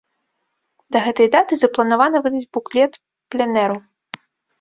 Да гэтай даты запланавана выдаць буклет пленэру.